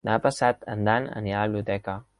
Demà passat en Dan anirà a la biblioteca.